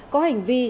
có hành vi